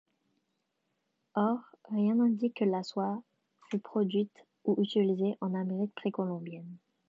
Or, rien n'indique que la soie fut produite ou utilisée en Amérique précolombienne.